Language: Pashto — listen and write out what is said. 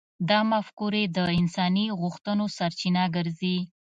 دا مفکورې د انساني غوښتنو سرچینه ګرځي.